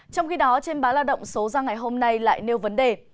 trong khi đó trên bá la động số ra ngày hôm nay lại nêu vấn đề